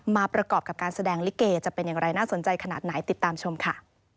ประกอบกับการแสดงลิเกจะเป็นอย่างไรน่าสนใจขนาดไหนติดตามชมค่ะ